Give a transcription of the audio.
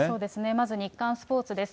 まず日刊スポーツです。